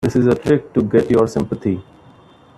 This is a trick to get your sympathy.